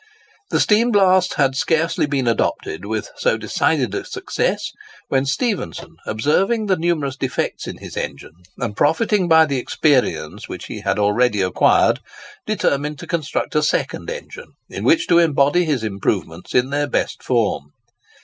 The steam blast had scarcely been adopted, with so decided a success, when Stephenson, observing the numerous defects in his engine, and profiting by the experience which he had already acquired, determined to construct a second engine, in which to embody his improvements in their best form.